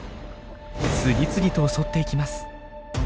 次々と襲っていきます。